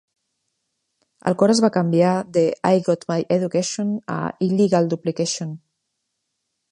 El cor es va canviar de "I Got My Education" a "Illegal Duplication".